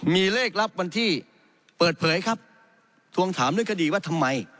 มีเลขรับวันที่เปิดเผยครับทวงถามเรื่องคดีว่าทำไม